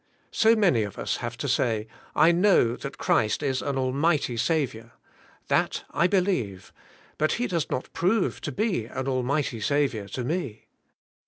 So many of us have to say, I know that Christ is an Almighty Saviour. T/ial I believe, but He does not prove to bean Almighty Saviour to me."